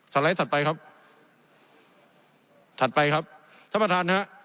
ไลด์ถัดไปครับถัดไปครับท่านประธานฮะ